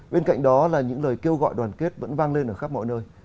bên cạnh đó là những lời kêu gọi đoàn kết vẫn vang lên ở khắp mọi nơi